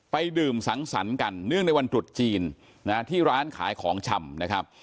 ไปดื่มสังสรรกันเนื่องในวันตรุษจีนที่ร้านขายของชำ